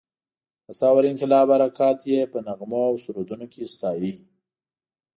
د ثور انقلاب حرکت یې په نغمو او سرودونو کې ستایلو.